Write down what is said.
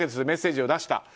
メッセージを出した。